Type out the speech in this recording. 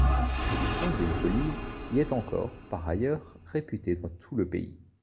La production d'huile d'olive y est encore, par ailleurs, réputée dans tout le pays.